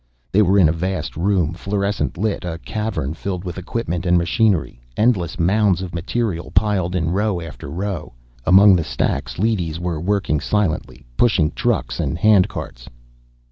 They were in a vast room, fluorescent lit, a cavern filled with equipment and machinery, endless mounds of material piled in row after row. Among the stacks, leadys were working silently, pushing trucks and handcarts.